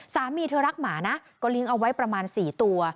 สามีเธอรักหมานะก็เลี้ยงเอาไว้ประมาณ๔ตัว